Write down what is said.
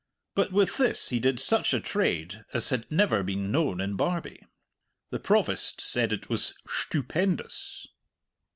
But with this he did such a trade as had never been known in Barbie. The Provost said it was "shtupendous."